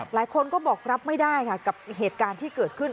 หลายคนก็บอกรับไม่ได้ค่ะกับเหตุการณ์ที่เกิดขึ้น